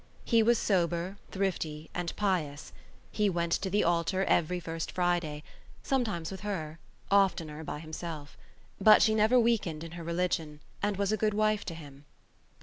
He was sober, thrifty and pious; he went to the altar every first Friday, sometimes with her, oftener by himself. But she never weakened in her religion and was a good wife to him.